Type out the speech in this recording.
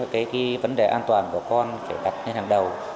cái vấn đề an toàn của con phải đặt lên hàng đầu